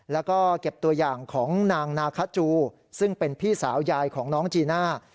แล้วก็เก็บตัวอย่างของนางนาคาจูซึ่งเป็นพี่สาวยายของน้องจีน่า